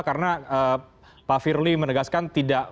karena pak firly menegaskan